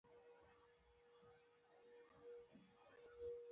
ډېره زیاته اندازه بوره.